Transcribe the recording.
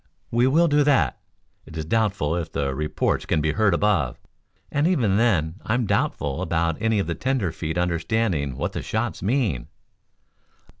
"We will do that. It is doubtful if the reports can be heard above, and even then I am doubtful about any of the tenderfeet understanding what the shots mean.